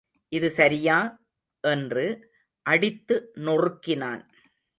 இது சரியா? என்று, அடித்து நொறுக்கினான்.